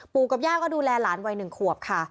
ปู่กับย่าก็ดูแลร้านวัยหนึ่งขวบค่ะ